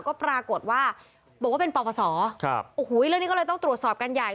ก็ปรากฏว่าบอกว่าเป็นปปศครับโอ้โหเรื่องนี้ก็เลยต้องตรวจสอบกันใหญ่